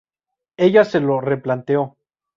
Ella se lo replanteó.